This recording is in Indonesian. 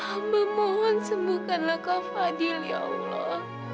hamba mohon sembuhkanlah kak fadil ya allah